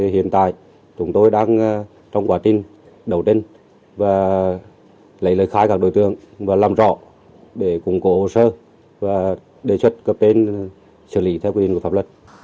hiện tại chúng tôi đang trong quá trình đầu tranh và lấy lời khai các đối tượng và làm rõ để củng cố hồ sơ và đề xuất cấp trên xử lý theo quy định của pháp luật